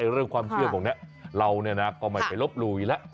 เรื่องความเชื่อพวกนี้เราก็ไม่ไปลบหลู่อีกแล้ว